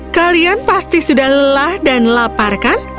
kalian pasti sudah lelah dan lapar kan